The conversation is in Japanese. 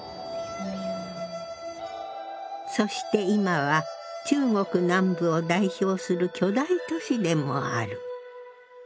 そして今は中国南部を代表する巨大都市でもある。